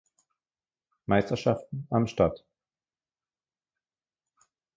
Meisterschaften am Start.